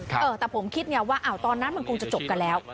แต่ผมคิดไงว่าตอนนั้นมันคงจะจบกันแล้ว